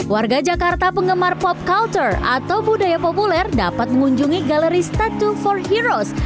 warga jakarta penggemar pop culture atau budaya populer dapat mengunjungi galeri start to for heroes